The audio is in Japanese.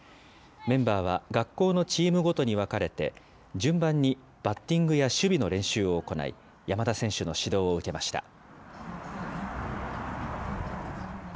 メンバーは学校のチームごとに分かれて、順番にバッティングや守備の練習を行い、山田選手の指導を受けました。